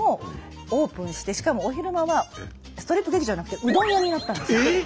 しかもお昼間はストリップ劇場じゃなくてうどん屋になったんですよ。